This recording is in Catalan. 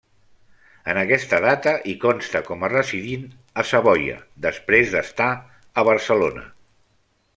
En aquesta data hi consta com a residint a Savoia, després d'estar a Barcelona.